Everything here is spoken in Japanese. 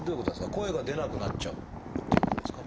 声が出なくなっちゃうっていうことですか？